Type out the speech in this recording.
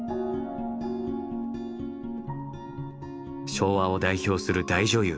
昭和を代表する大女優